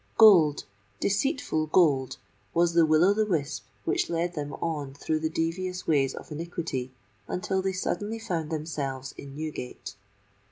Gold—deceitful gold—was the will o' the wisp which led them on through the devious ways of iniquity, until they suddenly found themselves in Newgate!